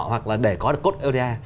hoặc là để có được cốt oda